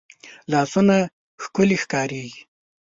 لاسونه ښکلې ښکارېږي